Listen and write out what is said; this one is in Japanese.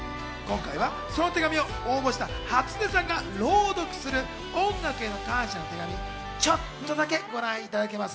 その手紙を応募したはつねさんが朗読する、音楽への感謝の手紙、ちょっとだけご覧いただけます。